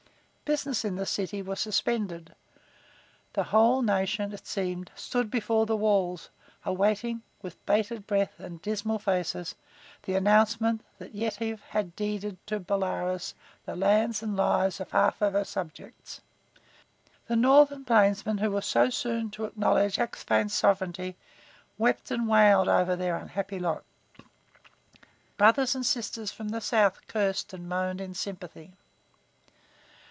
Business in the city was suspended. The whole nation, it seemed, stood before the walls, awaiting, with bated breath and dismal faces, the announcement that Yetive had deeded to Bolaroz the lands and lives of half of her subjects. The northern plainsmen who were so soon to acknowledge Axphain sovereignty, wept and wailed over their unhappy lot. Brothers and sisters from the south cursed and moaned in sympathy.